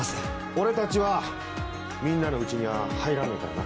俺たちは「みんな」のうちには入らねえからな。